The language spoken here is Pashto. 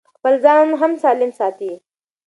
خپل ځان هم سالم ساتي.